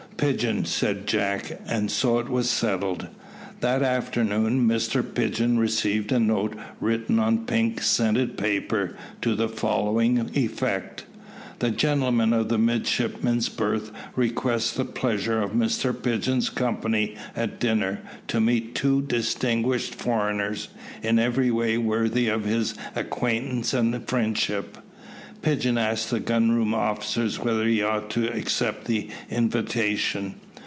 "Pigeon," said Jack; and so it was settled. That afternoon Mr Pigeon received a note written on pink scented paper, to the following effect: "The gentlemen of the midshipmen's berth request the pleasure of Mr Pigeon's company at dinner, to meet two distinguished foreigners, in every way worthy of his acquaintance and friendship." Pigeon asked the gun room officers whether he ought to accept the invitation.